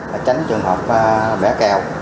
và tránh trường hợp bẻ kèo